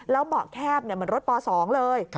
แล้วเหมาะแคบมันรถป๒เลย